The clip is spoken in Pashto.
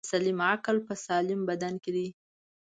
دسلیم عقل په سالم بدن کی دی.